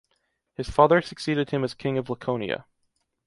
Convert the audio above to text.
His father succeeded him as king of Laconia.